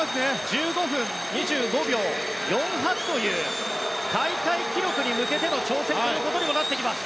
１５分２５秒４８という大会記録に向けての挑戦ということにもなってきます。